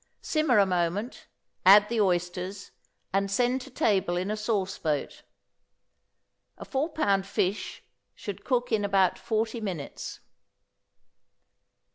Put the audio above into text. Simmer a moment; add the oysters, and send to table in a sauce boat. A four pound fish should cook in about forty minutes.